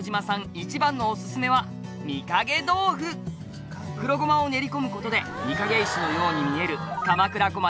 一番のお薦めはみかげ豆腐」「黒ゴマを練り込むことで御影石のように見える鎌倉小町